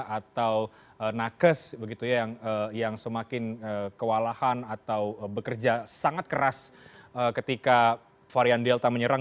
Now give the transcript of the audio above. atau nakes yang semakin kewalahan atau bekerja sangat keras ketika varian delta menyerang